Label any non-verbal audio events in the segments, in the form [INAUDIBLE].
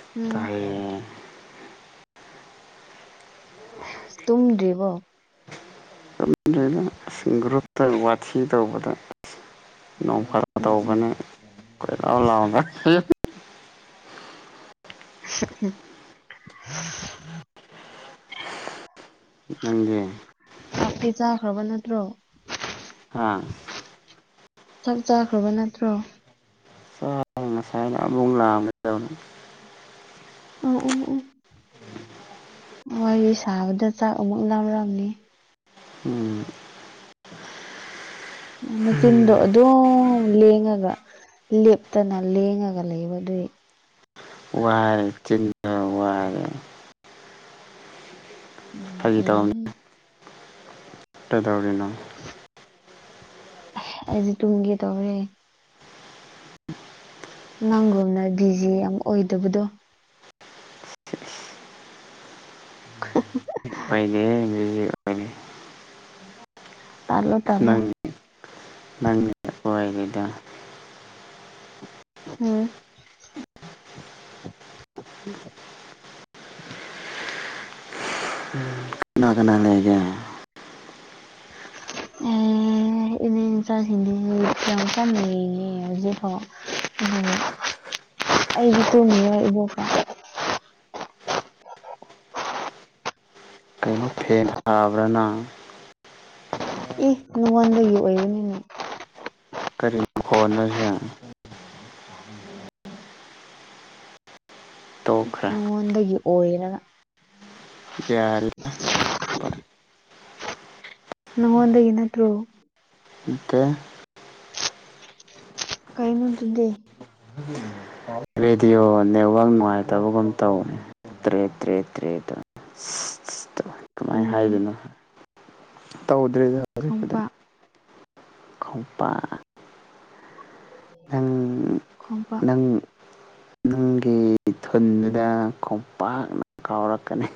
ꯎꯝ ꯇꯥꯢꯌꯦ ꯇꯗ꯭ꯔꯤꯕꯣ ꯒ꯭ꯔꯨꯞꯇ ꯋꯥꯊꯤ ꯇꯧꯕꯗ ꯅꯣꯡ ꯐꯔꯥ ꯎꯝ ꯎꯝ ꯇꯧꯕꯧꯕꯅ ꯀꯣꯏꯔꯥꯎ ꯂꯥꯎꯕ [UNINTELLIGIBLE] ꯅꯪꯒꯗꯤ ꯆꯥꯛꯇꯤ ꯆꯥꯈ꯭ꯔꯕ ꯅꯠꯇ꯭ꯔꯣ ꯍꯥꯥ ꯆꯥꯛ ꯆꯥꯈ꯭ꯔꯕ ꯅꯠꯇ꯭ꯔꯣ ꯑ ꯉꯁꯥꯏꯅ ꯂ ꯃꯅ ꯎꯝ ꯎꯝ ꯎꯝ ꯋꯥꯔꯤ ꯁꯥꯕꯗ ꯆꯥꯛ ꯑꯃꯨꯛ ꯂꯥꯎꯔꯝꯅꯤ ꯎꯝ ꯅꯆꯤꯟꯗꯣ ꯑꯗꯨꯝ ꯂꯦꯡꯉꯒ ꯂꯦꯞꯇꯅ ꯂꯦꯡꯉꯒ ꯂꯩꯕꯗꯨꯗꯤ [INAUDIBLE] ꯋꯥꯏꯔ ꯆꯤꯟꯗ ꯋꯥꯔ ꯎꯝ ꯑꯣꯏꯔꯝ ꯀꯩꯗꯧꯔꯤꯅ ꯑꯩꯗꯤ ꯇꯨꯡꯒꯦ ꯇꯔꯦ ꯅꯪꯒꯣꯅ ꯕꯤꯖꯤ ꯌꯥꯝ ꯑꯣꯏꯗꯕꯗꯣ [INAUDIBLE] ꯐꯅꯦ ꯍꯧ ꯇꯂꯣ ꯇꯂꯣ ꯅꯄ ꯑꯩ ꯂꯩꯗ ꯎꯝ ꯀꯅꯥ ꯀꯅꯥ ꯂꯩꯒꯦ ꯎꯝ ꯏꯅꯦ ꯏꯟꯆꯥꯁꯤꯡꯗꯤ ꯌꯥꯝ ꯆꯥꯅ ꯌꯦꯉꯦ ꯍꯧꯖꯤꯛꯐꯥꯎ ꯎꯝ ꯑꯩꯒꯤ ꯇ ꯏꯕ ꯀ ꯀꯩꯅꯣ ꯐꯦꯟ ꯊꯥꯕ꯭ꯔ ꯅꯪ ꯑꯦ ꯅꯉꯣꯟꯗꯒꯤ ꯑꯣꯏꯔꯃꯤꯅꯦ ꯀꯔꯤ ꯃꯈꯣꯟꯅꯣꯁꯦ ꯇꯣꯛꯈ꯭ꯔꯦ ꯅꯉꯣꯟꯗꯒꯤ ꯑꯣꯏꯔꯒ ꯌꯥꯔꯦ ꯅꯉꯣꯟꯗꯒꯤ ꯅꯠꯇ꯭ꯔꯣ ꯇ ꯀꯥꯏꯩꯅꯣꯗꯨꯗꯤ ꯔꯦꯗꯤꯑꯣ ꯅꯦꯠꯋꯥꯛ ꯅꯨꯡꯉꯥꯏꯇꯕꯒꯨꯝ ꯇꯧꯅꯤ ꯇꯔꯦ ꯇ꯭ꯔꯦ ꯇꯦ ꯇ ꯀꯃꯥꯏꯅ ꯎꯝ ꯍꯥꯏꯗꯣꯏꯅꯣ ꯇꯧꯗ꯭꯭ꯔꯔꯤꯗ ꯍꯧꯖꯤꯛꯄꯗꯤꯡ ꯈꯣꯡꯄꯥꯛ ꯈꯝꯄꯥꯛ ꯅꯪ ꯈꯣꯡꯄꯥꯛ ꯅꯪ [INAUDIBLE] ꯅꯪꯒꯤ ꯊꯨꯟꯗꯨꯗ ꯈꯣꯝꯄꯥꯛꯅ ꯀꯥꯎꯔꯛꯀꯅꯤ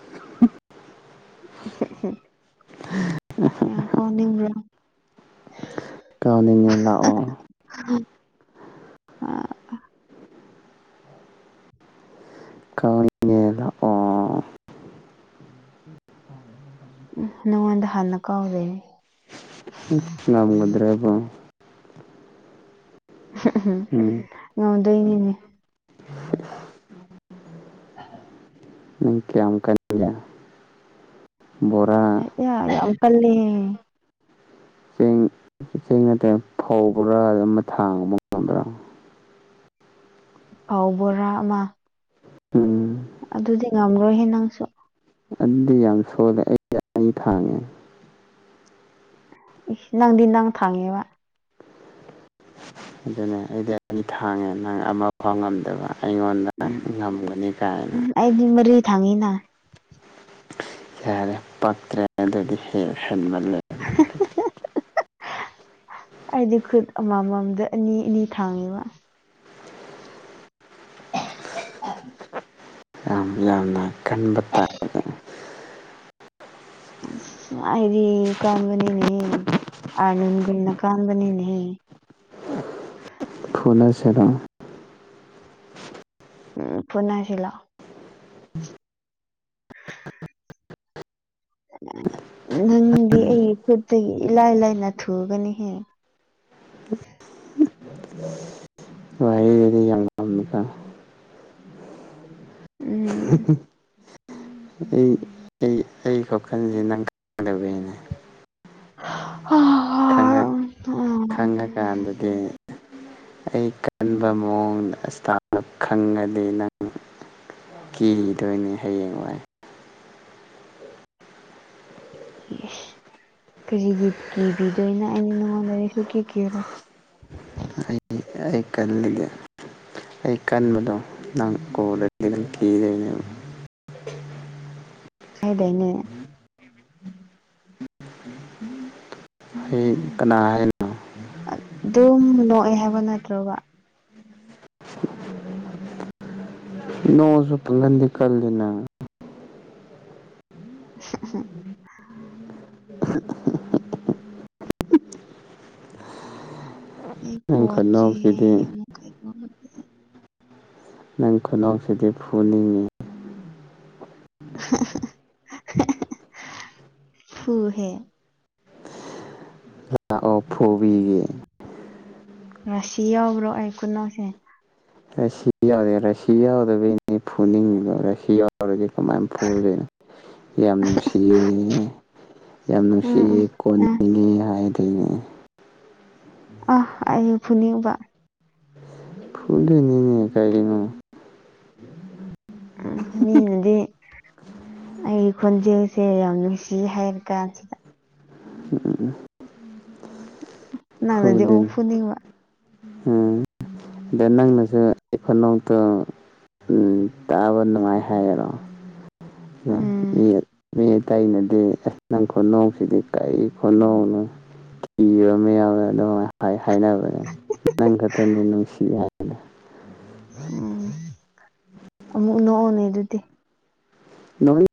ꯌꯥ ꯀꯥꯎꯅꯤꯡꯕ꯭ꯔꯣ ꯀꯥꯎꯅꯤꯡꯉꯦ ꯂꯥꯛꯑꯣ ꯑ ꯀꯥꯎꯅꯤꯡꯉꯦ ꯂꯥꯛꯑꯣ ꯅꯣꯟꯗ ꯍꯜ ꯀꯥꯎꯗꯦ ꯝꯒꯗꯔꯦꯕ ꯎꯝ ꯎꯝꯝ ꯂꯩꯅꯦ ꯀ ꯑꯃ ꯀ ꯌꯥꯔ ꯑꯪꯀꯜꯅꯤ ꯆꯦꯡ ꯆꯦꯡ ꯅꯠꯇꯅ ꯐꯧꯕ꯭ꯔꯥ ꯑꯗꯨꯝꯕ ꯊꯥꯡꯕꯕ ꯉꯗ꯭ꯔꯥ ꯍꯥꯎꯕꯣꯔꯥꯃ ꯎꯝ ꯑꯗꯨꯗꯤ ꯉꯝꯔꯣꯏꯍꯦ ꯅꯪꯁꯨ ꯑꯗꯨꯗꯤ ꯌꯥꯝ ꯁꯣꯜꯂꯦ ꯑꯩ ꯑꯩ ꯊꯥꯡꯉꯦ ꯅꯪꯗꯤ ꯅꯪ ꯊꯥꯡꯉꯦꯕ ꯑꯗꯨꯅꯦ ꯑꯩꯗꯤ ꯑꯅꯤ ꯊꯥꯡꯉꯦ ꯅꯪ ꯑꯃ ꯐꯥꯎ ꯉꯝꯗꯕ ꯑꯩꯉꯣꯟꯗ ꯉꯝꯒꯅꯤ ꯀꯥꯏꯅ ꯎꯝ ꯑꯩꯗꯤ ꯃꯔꯤ ꯊꯥꯡꯉꯤꯅ ꯌꯥꯔꯦ ꯄꯛꯇ꯭ꯔꯦ ꯑꯗꯨꯗꯤ ꯍꯦꯛ ꯍꯟꯕꯂ [INAUDIBLE] ꯑꯩꯗꯤ ꯈꯨꯠ ꯑꯃꯃꯝꯗ ꯑꯅꯤ ꯑꯅꯤ ꯊꯥꯡꯉꯦꯕ ꯑ ꯌꯥꯝ ꯌꯥꯝꯅ ꯀꯟꯕ ꯇꯥꯔꯅꯤ ꯑꯩꯗꯤ ꯀꯥꯥꯟꯕꯅꯤꯅꯦ ꯑꯟꯒꯅ ꯀꯥꯥꯟꯕꯅꯤꯅꯦ ꯀꯂꯥ ꯁꯔꯥ ꯎꯝ ꯄꯨꯟꯅꯁꯤꯂ ꯅꯪꯗꯤ ꯑꯩ ꯈꯨꯠꯇꯒꯤ ꯂꯥꯏ ꯂꯥꯏꯅ ꯊꯨꯒꯅꯤ ꯍ ꯋꯥꯦꯗꯤ ꯌꯥꯝꯃꯤꯀ ꯎꯝ ꯑꯩ ꯑꯩ ꯀꯀꯜꯁꯦ ꯅꯪꯗꯕꯅꯦ ꯈꯪ ꯈꯪꯉꯀꯥꯟꯗꯗꯤ ꯑꯩ ꯈꯟꯕ ꯃꯑꯣꯡꯗ ꯑꯁꯇꯥꯅ ꯈꯪꯉꯗꯤ ꯅꯪ ꯀꯤꯗꯣꯏꯅꯤ ꯍꯌꯦꯡ ꯋꯥꯏ [INAUDIBLE] ꯀꯖꯤꯒꯤ ꯀꯤꯕꯤꯗꯣꯏꯅ ꯑꯩꯅ ꯅꯉꯣꯟ ꯂꯩꯔꯁꯨ ꯀꯤ ꯀꯔꯣꯏ ꯑꯩ ꯑꯩ ꯀꯜꯂꯤꯒꯦ ꯑꯩ ꯀꯟꯕꯗꯣ ꯅꯪ ꯀꯣ ꯀꯤꯗꯦꯅꯦꯕ ꯑ ꯈꯥꯏꯗꯏꯅꯦ ꯑꯩ ꯀꯅꯥ ꯍꯥꯏꯅꯣ ꯑꯗꯨꯝ ꯅꯣꯛꯑꯦ ꯍꯥꯏꯕ ꯅꯠꯇ꯭ꯔꯕ ꯅꯣꯡꯁꯨ ꯄꯂꯟꯗꯤ ꯀꯗꯅ [INAUDIBLE] ꯑꯩ ꯅꯪ ꯐꯣꯟꯁꯤꯦ ꯈꯨꯅꯣꯛꯁꯤꯗꯤ ꯑꯃꯨꯛ ꯀꯥꯏꯗ ꯅꯪ ꯈꯨꯅꯥꯎꯁꯤꯗꯤ ꯐꯨꯅꯤꯡꯉꯤ ꯍꯨꯍꯦ ꯑꯣꯐꯕꯤꯒ ꯉꯁꯤ ꯌꯥꯎꯕ꯭ꯔꯣ ꯑꯩ ꯀꯅꯥꯁꯦ ꯔꯁꯤꯌꯥ ꯌꯥꯎꯗꯦ ꯔꯁꯤꯌꯥ ꯌꯥꯎꯗꯕꯩꯅꯦ ꯐꯨꯅꯤꯡꯉꯤꯗꯣ ꯔꯁꯤꯌꯥ ꯌꯥꯎꯗꯤ ꯀꯃꯥꯏꯅ ꯐꯨꯗꯣꯏꯅꯣ ꯌꯥꯝ ꯅꯨꯡꯁꯤꯌꯦ ꯌꯥꯝ ꯎꯝ ꯅꯨꯡꯁꯤꯌꯦ ꯎꯝ ꯎꯝ ꯀꯣꯟꯅꯤꯡꯉꯦ ꯍꯥꯏꯗꯤ ꯑ ꯑ ꯐꯅꯤꯕ ꯐꯨꯂ ꯅꯩꯅꯅꯤ ꯀꯥꯏꯅ ꯎ ꯍꯥꯏꯗꯤ ꯑꯩ ꯈꯣꯟꯖꯦꯜꯁꯦ ꯌꯥꯝ ꯅꯨꯡꯁꯤ ꯍꯥꯏꯔ ꯀꯥꯟꯁꯤꯗ ꯑ ꯅꯪꯗꯤ ꯑꯣꯐꯨꯅꯤꯡꯕ ꯎꯝ ꯑ ꯅꯪꯅꯁꯨ ꯏꯐꯣꯇꯣ ꯎꯝ ꯇꯥꯕ ꯅꯨꯡꯉꯥꯏ ꯍꯥꯏꯔꯣ ꯎꯝ ꯇꯩꯩꯅꯗꯤ ꯑꯁ ꯅꯪ ꯈꯨꯣꯟꯅꯨꯡꯣꯡꯁꯤꯗꯤ ꯀꯔꯤ ꯈꯨꯣꯟꯅꯅꯨꯡꯅꯣ ꯀꯤꯕ ꯑꯃ ꯌꯥꯎꯋꯦ ꯑꯗꯨꯃꯥꯏꯅ ꯍꯥꯏꯅꯕꯅꯦ ꯅꯪ ꯈꯛꯇꯅꯤ ꯅꯨꯡꯁꯤ ꯍꯥꯏꯕꯅ ꯎꯝ ꯑꯃꯨꯛ ꯅꯣꯛꯑꯣꯅꯦ ꯑꯗꯨꯗꯤ [UNINTELLIGIBLE] [UNINTELLIGIBLE] [UNINTELLIGIBLE] [UNINTELLIGIBLE] ꯅꯪꯅ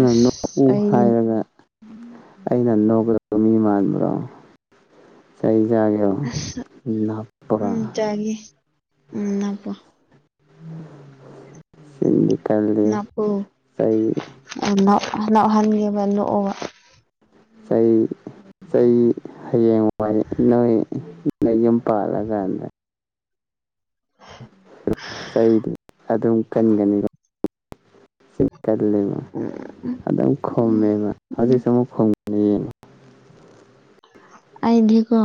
ꯑꯁ ꯅꯣꯛꯎ ꯑꯩ ꯍꯥꯏꯔꯒ ꯑꯩꯅ ꯅꯣꯛꯒꯗꯕ ꯃꯤ ꯃꯥꯟꯕ꯭ꯔꯣ ꯆꯩ ꯌꯥꯒꯦ ꯑꯁ ꯅꯄꯔꯥ ꯎꯝꯄꯣ ꯁꯤꯗꯤ ꯈꯂ ꯆꯍꯤ ꯍꯅ ꯍꯟꯒꯦ ꯨꯑꯣ ꯑꯩꯥꯏ ꯆꯩ ꯍꯌꯦꯡ ꯋꯥꯏ ꯅꯣꯏꯗ ꯌꯨꯝ ꯄꯥꯜꯂꯀꯥꯟꯗ ꯆꯩ ꯑꯗꯨꯝ ꯀꯟꯒꯅꯤ ꯀꯜꯂꯤꯕ ꯎꯝ ꯑꯗꯨꯝ ꯈꯣꯝꯃꯦꯕ ꯎꯝ ꯍꯧꯖꯤꯛꯁꯨ ꯑꯃꯨꯛ ꯈꯣ ꯃꯟ [INAUDIBLE] ꯑꯗꯤꯀꯣ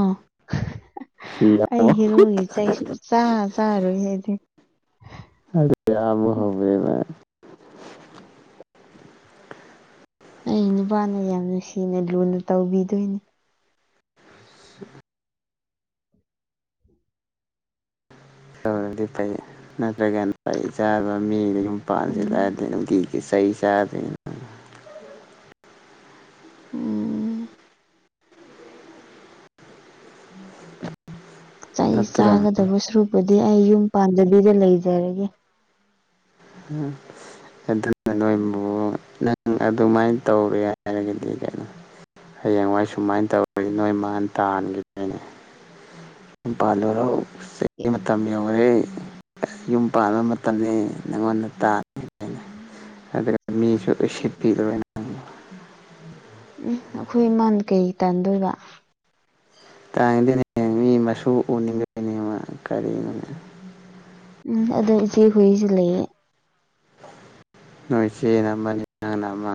ꯁꯤ ꯑꯩ ꯑꯃꯨꯛ ꯍꯔꯣꯏꯒꯤ ꯆꯩꯁꯤ ꯆ ꯆꯥꯔꯣꯏ ꯍꯥꯏꯗꯤ ꯀꯌꯥ ꯑꯃꯨꯍꯒꯦꯅ ꯑꯩ ꯅꯨꯄꯥꯅ ꯌꯥꯝ ꯅꯨꯡꯁꯤꯅ ꯂꯨꯅ ꯇꯧꯕꯤꯗꯣꯏꯅꯦ ꯇꯧꯔꯗꯤ ꯐꯩ ꯅꯠꯇ꯭ꯔꯒꯅ ꯐ ꯆꯥꯕ ꯃꯤ ꯌꯨꯝ ꯄꯥꯟꯁꯤ ꯎꯝ ꯂꯔꯗꯤ ꯅꯨꯡꯇꯤ ꯁꯍꯤ ꯁꯥꯗ ꯎꯝ ꯑꯩ ꯅꯠꯇ꯭ꯔꯣ ꯆꯥꯒꯗꯕ ꯁꯨꯔꯨꯕꯗꯤ ꯑꯩ ꯌꯨꯝ ꯄꯥꯟꯗꯕꯤꯗ ꯂꯩꯖꯔꯒꯦ ꯂꯣꯣ [UNINTELLIGIBLE] [INAUDIBLE] ꯅꯪ ꯑꯗꯨꯃꯥꯏꯅ ꯇꯧꯔꯦ ꯍꯥꯏꯔꯒꯗꯤ ꯀꯩꯅꯣ ꯍꯌꯦꯡꯋꯥꯏ ꯁꯨꯃꯥꯏꯅ ꯇꯧꯔꯗꯤ ꯅꯣꯏ ꯃꯥꯟ ꯇꯥꯟꯈꯤꯗꯣꯏꯅꯦ ꯄꯂꯔꯣ ꯃꯇꯝ ꯌꯧꯔꯦ ꯌꯨꯝ ꯄꯥꯟꯕ ꯃꯇꯝꯅꯤ ꯅꯉꯣꯟꯗ ꯇꯥ ꯑꯗꯨ ꯃꯤꯁꯨ ꯁꯤꯄꯤꯗ ꯎꯝ ꯑꯩꯈꯣꯏ ꯏꯃꯜ ꯀꯩ ꯇꯥꯟꯗꯣꯏꯕ ꯇꯥꯡꯉꯗꯅꯦ ꯃꯤ ꯃꯁꯨ ꯎꯅꯤꯡꯗꯦꯅꯦꯃ ꯀꯔꯤꯒꯤꯅꯣꯅꯦ ꯎꯝ ꯑꯗꯣ ꯏꯆꯦ ꯍꯏꯁꯨ ꯂꯩꯌꯦ ꯅꯣꯏꯁꯦꯅꯃꯅ ꯑꯃ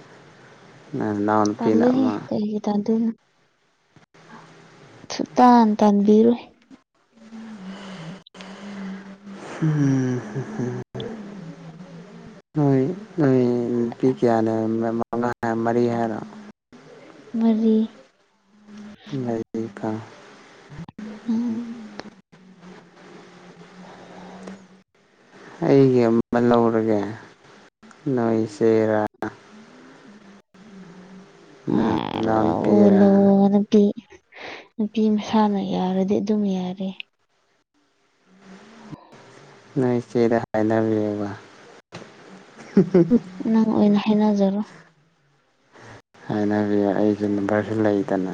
[INAUDIBLE] ꯅꯅꯥꯎꯟꯄꯤꯤꯅ ꯇꯜꯂꯦꯍꯦ ꯑꯃ ꯀꯩꯒꯤ ꯁꯠꯇ ꯑ ꯇꯟꯕꯤꯤꯔ ꯎꯝ ꯅꯣꯏ ꯅꯣꯏ ꯅꯨꯄꯤ ꯀꯌꯥꯅꯦ ꯃꯉꯥ ꯍꯥꯏ ꯃꯔꯤ ꯍꯥꯏꯔꯣ ꯃꯔꯤ ꯀꯥ ꯎꯝ [UNINTELLIGIBLE] [INAUDIBLE] ꯑꯩꯒꯤ ꯑꯃ ꯂꯧꯔꯒꯦ ꯅꯣꯏ ꯆꯦꯔꯥ ꯑꯥ ꯂꯟꯗꯟ ꯂꯧꯑꯣ ꯄꯦꯔꯥꯜ ꯂꯧꯑꯣ ꯅꯨꯄꯤ ꯅꯨꯄꯤ ꯃꯁꯥꯅ ꯌꯥꯎꯔꯗꯤ ꯑꯗꯨꯝ ꯌꯥꯔꯦ ꯅꯣꯏ ꯆꯦꯔ ꯍꯥꯏꯗꯕꯤꯕꯥ ꯅꯪ ꯑꯣꯏꯅꯅ ꯍꯩꯅꯖꯔꯣ ꯍꯥꯏꯅꯕꯤ ꯑꯩꯒꯤ ꯅꯝꯕꯔꯁꯨ ꯂꯩꯗꯅ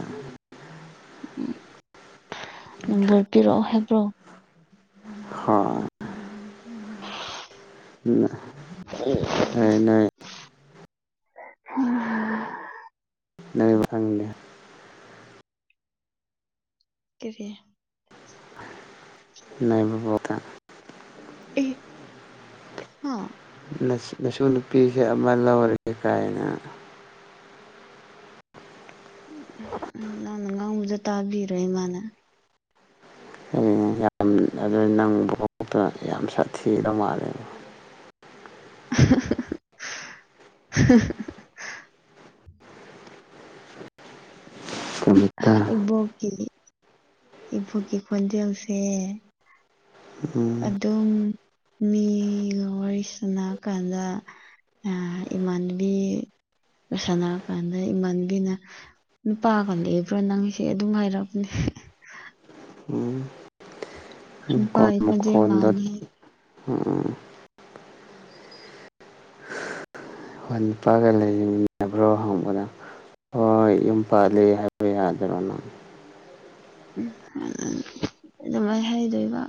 ꯎꯝꯕ ꯅꯝꯕꯔ ꯄꯤꯔꯛ ꯑꫭ ꯍꯥꯏꯕ꯭ꯔꯣ ꯍꯣꯏ ꯎ ꯍ ꯅ [UNINTELLIGIBLE] ꯎꯝ [UNINTELLIGIBLE] ꯅꯣꯏ ꯃ ꯊꯥꯡꯅꯦ [UNINTELLIGIBLE] ꯀꯔꯤ ꯕꯕꯗ [UNINTELLIGIBLE] ꯑꯦ ꯍꯥ ꯅꯁꯨ ꯅꯨꯄꯤꯁꯦ ꯑꯃ ꯂꯧꯔꯒꯦ ꯀꯥꯏꯅ ꯅꯪꯅ ꯉꯥꯡꯕꯁꯨ ꯇꯥꯕꯤꯔꯣꯏ ꯏꯃꯥꯅ ꯌꯥꯝ ꯑꯗꯨ ꯅꯪ ꯚꯨꯕꫭꯛꯇ ꯌꯥꯝ ꯁꯥꯊꯤꯔ ꯃꯥꯂꯦ [UNINTELLIGIBLE] ꯀꯦꯃꯤꯀꯥ ꯏꯕꯣꯛꯀꯤ ꯏꯕꯣꯛꯀꯤ ꯈꯣꯟꯖꯦꯜꯁꯦ ꯎꯝ ꯑꯗꯨꯝ ꯃꯤꯒ ꯋꯥꯔꯤ ꯁꯅ ꯀꯥꯟꯗ ꯑ ꯏꯃꯥꯟꯕꯤ ꯁꯥꯟꯅꯔ ꯀꯥꯟꯗ ꯏꯃꯥꯟꯕꯤꯅ ꯅꯨꯄꯥꯒ ꯂꯩꯕ꯭ꯔꯥ ꯅꯪꯁꯦ ꯑꯗꯨꯝ ꯉꯥꯏꯔꯕꯅꯦ ꯎꯝ ꯎꯝ ꯀꯣ ꯅꯨꯞꯒꯤ ꯈꫭꯟꯖꯟ ꯃꯈꯣꯟꯗꯣ ꯃꯟꯂ‌ꯦꯌ‌ꯦ ꯎꯝ ꯐꯥꯟꯐꯥ ꯔ ꯃꯤ [UNINTELLIGIBLE] ꯌꯨꯝ ꯄꯥꯜꯂꯤ ꯍꯥꯏꯕ ꯌꯥꯗ꯭ꯔꯣꯅꯪ ꯑꯗꯨꯃꯥꯏꯅ ꯍꯥꯏꯗꯣꯏꯕ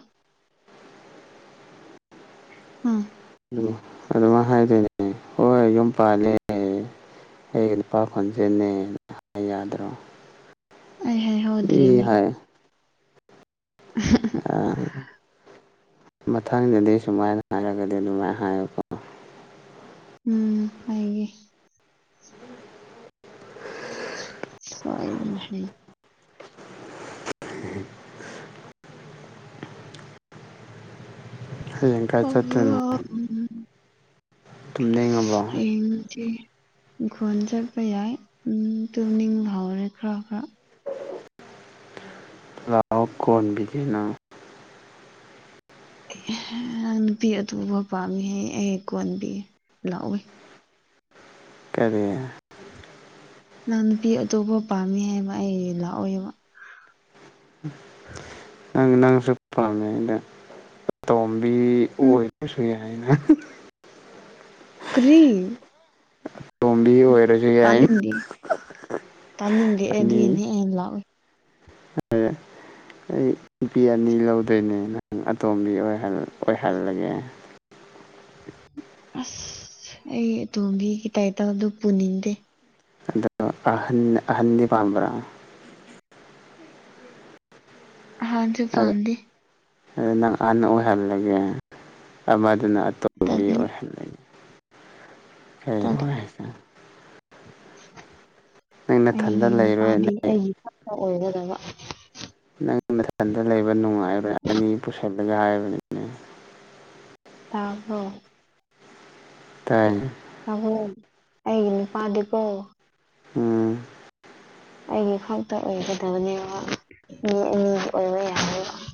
ꯎꯝ ꯍꯥꯏꯗꯏꯅꯦ ꯍꯣꯏ ꯍꯣꯏ ꯌꯨꯝ ꯄꯥꯂꯦ ꯑꯩꯒꯤ ꯂꯨꯄꯥ ꯈꯨꯣꯟꯁꯦꯅꯦꯅ ꯌꯥꯗ꯭ꯔꯣ ꯑꯩ ꯍꯥꯏ ꯏ ꯍꯧꯗ꯭ꯔ‌ꯦꯅ‌ꯦ ꯑ ꯃꯊꯪꯗꯗꯤ ꯁꯨꯃꯥꯏꯅ ꯍꯥꯏꯔꯒꯗꯤ ꯑꯗꯨꯃꯥꯏꯅ ꯍꯥꯏꯌꯨꯀꯣ ꯎꯝ ꯐꯌꯦ ꯇꯅꯅ ꯍ [UNINTELLIGIBLE] ꯍꯌꯦꯡ ꯀꯥꯏ ꯆꯠꯇꯣꯏꯅꯣ ꯑꯣ ꯎ [UNINTELLIGIBLE] ꯇꯨꯝꯅꯤꯡꯉꯕꯣ ꯍꯌ‌ꯦꯡꯗꯤ ꯏꯪꯈꯣꯟ ꯆꯠꯄ ꯌꯥꯏ ꯇꯨꯅꯤꯡ ꯍꯥꯎꯔꯦ ꯈꯔ ꯈꯔ ꯂꯥꯎ ꯀꯣꯟꯕꯤꯗꯤꯅ ꯅꯨꯄꯤ ꯑꯗꯨꯊꯕ ꯄꯥꯝꯃꯤ ꯑꯩ ꯖ ꯂꯥꯛꯏ ꯀꯔꯤ ꯅꯪ ꯅꯨꯄꯤ ꯑꯇꯣꯞꯄ ꯄꯥꯝꯃꯤ ꯍꯥꯏꯕ ꯑꯩ ꯂꯥꯛꯑꯣꯏꯕ ꯅꯪꯁꯨ ꯑꯇꫭꯝ ꯐ ꯎꯝ ꯑꯣꯏꯁꯨ ꯌꯥꯅ [UNINTELLIGIBLE] ꯀ꯭ꯔꯤ ꯇꯣꯝꯕꯤ ꯑꯣꯏꯔꯁꯨ ꯌꯥꯏꯅ ꯇꯥꯅꯤꯡꯗꯦ ꯇꯥꯅꯤꯡꯗꯦ ꯑꯗꯨꯏꯒꯤꯅꯦ ꯌꯥꯝ ꯂꯥꯛꯏꯦ ꯑ [UNINTELLIGIBLE] ꯑꯩ ꯅꯨꯄꯤ ꯑꯅꯤ ꯂꯧꯗꯣꯏꯅꯦ ꯅꯪ ꯑꯇꯣꯝꯕꯤ ꯑꯣꯏꯍꯜꯂꯒꯦ [INAUDIBLE] ꯑꯁ ꯑꯩ ꯑꯇꯣꯝꯒꯤ ꯈꯤꯇꯇꯗ ꯄꯨꯅꯤꯡꯗꯦ ꯑꯗꫭ ꯑꯍꯟ ꯑꯍꯟꯗꯤ ꯄꯥꯝꯕꯔ ꯑꯍꯟꯁꯨ ꯄꯝꯗꯤ ꯑꯗꯨꯗ ꯅꯪ ꯑꯅ ꯑꯣꯏꯍꯜꯂꯒꯦ ꯑꯃꯗꯨꯅ ꯑꯇꯣꯞꯄꯗꯤ ꯇꯜꯂꯤ ꯑꯣꯏꯍꯜꯂꯒꯦ ꯇꯜꯂꯤ ꯀꯁꯦ ꯑꯩꯒꯤ ꯅꯨꯄꯥꯗꯤ ꯑꯩꯒꯤ ꯈꯛꯇ ꯑꯣꯏꯒꯗꯕ ꯅꯪ ꯃꯊꯟꯇ ꯂꯩꯕ ꯅꯨꯡꯉꯥꯏꯔꯣꯏ ꯑꯅꯤ ꯄꯨꯁꯤꯜꯂꯒ ꯍꯥꯏꯕꯅꯤꯅꯦ ꯇꯥꯕꯣ ꯇꯥꯏꯅ ꯣ ꯑꯩꯒꯤ ꯅꯨꯄꯥꯗꯤꯀꯣ ꯎꯝ ꯑꯩꯒꯤ ꯈꯥꯛꯇ ꯑꯣꯏꯒꯗꯕꯅꯦꯕ ꯃꯤ ꯑꯅꯤꯒꯤ ꯑꯣꯏꯕ ꯌꯥꯔꯣꯏ